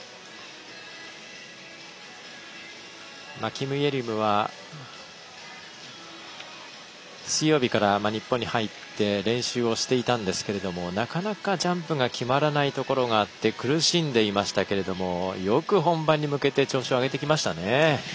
キム・イェリムは水曜日から日本に入って練習をしていたんですけれどもなかなかジャンプが決まらないところがあって苦しんでいましたけれどもよく本番に向けて調子を上げてきましたよね。